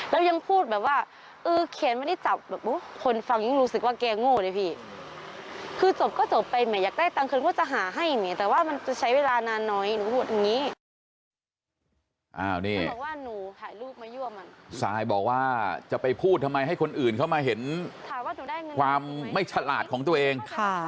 ซายบอกว่าจะไปพูดทำไมให้คนอื่นเข้ามาเห็นความไม่ฉลาดของตัวเอง